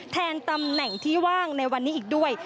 แทนตำแหน่งที่ว่างในวันนี้อีกด้วย